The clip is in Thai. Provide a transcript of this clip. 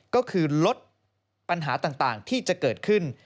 ก็คือลดปัญหาต่างที่จะเกิดขึ้น